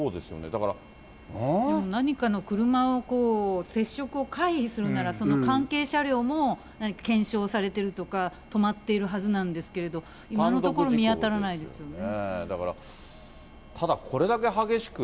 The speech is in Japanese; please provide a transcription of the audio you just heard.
だから、うん？何かの車を接触を回避するなら、その関係車両も、何か検証されてるとか、止まっているはずなんですけれど、今のところ、だから、ただこれだけ激しく、